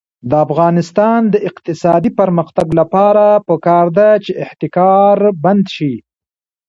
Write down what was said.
د افغانستان د اقتصادي پرمختګ لپاره پکار ده چې احتکار بند شي.